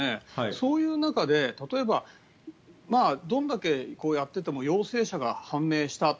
そういう中で、例えばどんだけやっていても陽性者が判明したと。